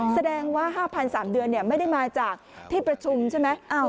แสดงว่า๕๓เดือนไม่ได้มาจากที่ประชุมใช่ไหม